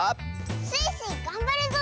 「スイスイ！がんばるぞ」